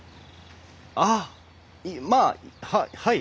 あまあはい。